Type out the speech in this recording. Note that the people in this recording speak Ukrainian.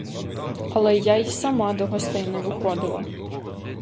Але я й сама до гостей не виходила.